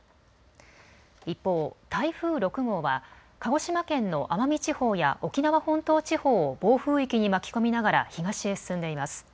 一方、台風６号は鹿児島県の奄美地方や沖縄本島地方を暴風域に巻き込みながら東へ進んでいます。